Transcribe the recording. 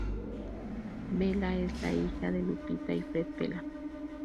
Vela es la hija de Lupita y Fred Vela.